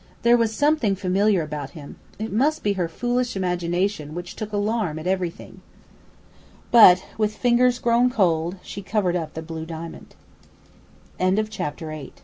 There was something familiar about him. It must be her foolish imagination which took alarm at everything! But, with fingers grown cold, she covered up the blue diamond. CHAPTER IX THE THING KNIGHT WANTED When Dr.